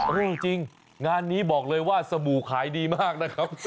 เรื่องจริงงานนี้บอกเลยว่าสบู่ขายดีมากนะครับ